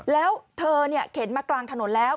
แล้วเธอเข็นมากลางถนนแล้ว